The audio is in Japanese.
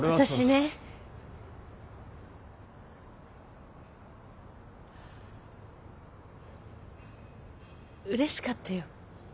私ねうれしかったよ。